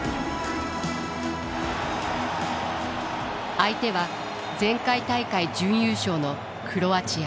相手は前回大会準優勝のクロアチア。